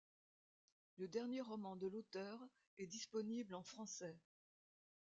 Le dernier roman de l'auteur est disponible en français.